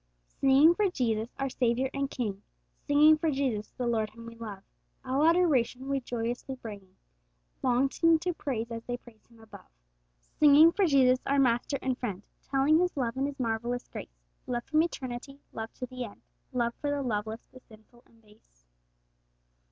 Singing for Jesus, our Saviour and King; Singing for Jesus, the Lord whom we love! All adoration we joyously bring, Longing to praise as they praise Him above. Singing for Jesus, our Master and Friend, Telling His love and His marvellous grace, Love from eternity, love to the end, Love for the loveless, the sinful, and base.